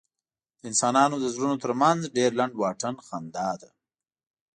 د انسانانو د زړونو تر منځ ډېر لنډ واټن خندا ده.